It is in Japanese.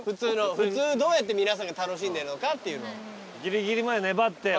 普通どうやって皆さんが楽しんでるのかっていうのを。